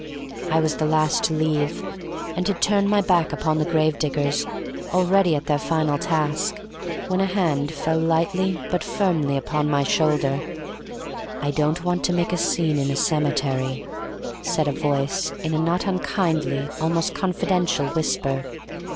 I was the last to leave, and had turned my back upon the grave diggers, already at their final task, when a hand fell lightly but firmly upon my shoulder. "I don't want to make a scene in a cemetery," said a voice, in a not unkindly, almost confidential whisper.